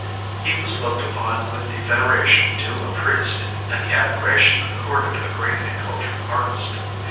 He was looked upon with the veneration due a priest and the admiration accorded a great and cultured artist.